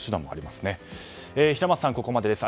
平松さん、ここまでです。